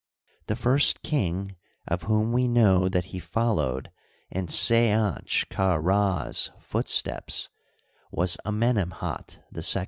The first king of whom we know that he followed in Seanch ka Ra's footsteps was Amenemhat II.